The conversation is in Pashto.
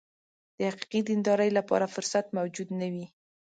د حقیقي دیندارۍ لپاره فرصت موجود نه وي.